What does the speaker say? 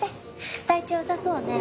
体調よさそうね。